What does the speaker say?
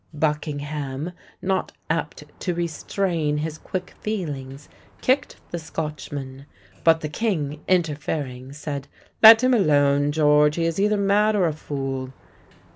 Buckingham, not apt to restrain his quick feelings, kicked the Scotchman; but the king interfering, said, "Let him alone, George; he is either mad or a fool."